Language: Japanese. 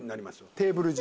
テーブル中。